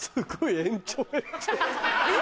延長。